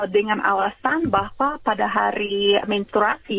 dengan alasan bahwa pada hari mensurasi